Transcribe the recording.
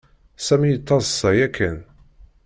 Sami yettaḍsa yakan.